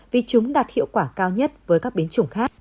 vì chúng đạt hiệu quả cao nhất với các biến chủng khác